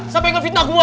sampai ke fitnah gua